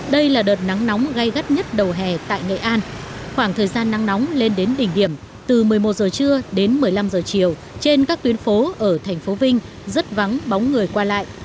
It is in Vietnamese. đây là đợt nắng nóng gây gắt nhất đầu hè tại nghệ an khoảng thời gian nắng nóng lên đến đỉnh điểm từ một mươi một giờ trưa đến một mươi năm h chiều trên các tuyến phố ở thành phố vinh rất vắng bóng người qua lại